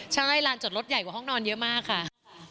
ใช่ลานจอดรถใหญ่กว่าห้องนอนเยอะมากค่ะ